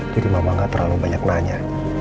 jadi mama gak terlalu banyak nanya